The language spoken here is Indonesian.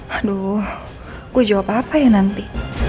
aduh gue jawab apa apa ya nanti